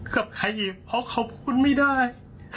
กับใครอีกเพราะเขาพูดไม่ได้